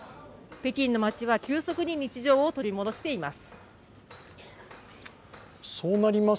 北京の街は急速に日常を取り戻しています。